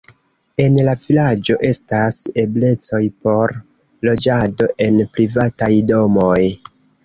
En la vilaĝo estas eblecoj por loĝado en privataj domoj.